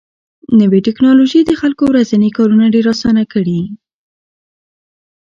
نوې ټکنالوژي د خلکو ورځني کارونه ډېر اسانه کړي